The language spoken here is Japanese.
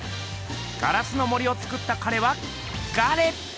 「『ガラスの森』をつくった彼はガレ」。